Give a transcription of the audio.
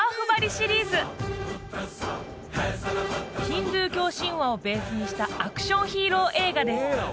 シリーズヒンドゥー教神話をベースにしたアクションヒーロー映画です